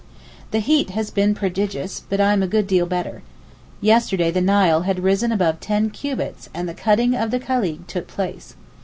The heat has been prodigious, but I am a good deal better. Yesterday the Nile had risen above ten cubits, and the cutting of the Kalig took place.